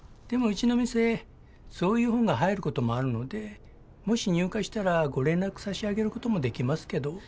でもうちの店そういう本が入ることもあるのでもし入荷したらご連絡差し上げることもできますけど。